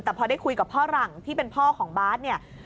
แต่พอได้คุยกับพ่อหลังที่เป็นพ่อของบ๊าซ